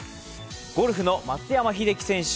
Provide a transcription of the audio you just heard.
ゴルフの松山英樹選手。